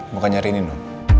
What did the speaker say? bukan nyari nino